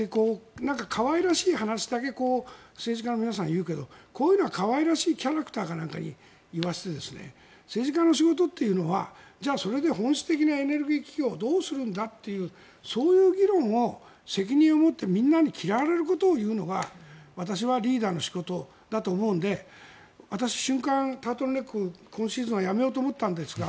可愛らしい話だけ政治家の皆さん、言うけどこういうのは可愛らしいキャラクターか何かに言わせて政治家の仕事というのはそれで本質的にエネルギー危機をどうするんだというそういう議論を責任を持ってみんなに嫌われることを言うのが私はリーダーの仕事だと思うので私、瞬間タートルネックを今シーズンはやめようと思ったんですが。